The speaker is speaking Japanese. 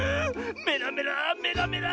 メラメラメラメラ！